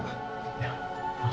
ya makasih pak